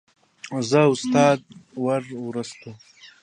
زه او استاد ور ورسېدو.